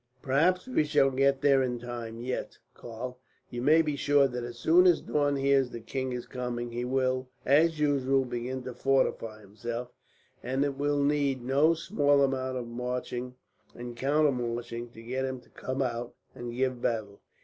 "Perhaps we shall get there in time yet, Karl. You may be sure that as soon as Daun hears that the king is coming he will, as usual, begin to fortify himself; and it will need no small amount of marching and counter marching to get him to come out and give battle.